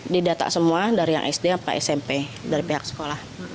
didata semua dari yang sd apa smp dari pihak sekolah